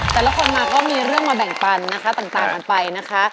แต่ละคนมาก็มีเรื่องมาแบ่งปันนะคะต่างกันไปนะคะ